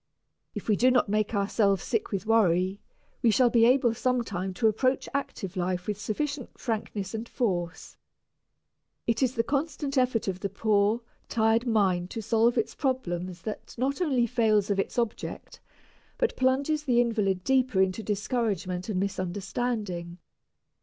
If we do not make ourselves sick with worry, we shall be able sometime to approach active life with sufficient frankness and force. It is the constant effort of the poor, tired mind to solve its problems that not only fails of its object, but plunges the invalid deeper into discouragement and misunderstanding.